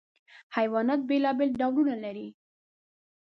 حیوانات بېلابېل ډولونه لري.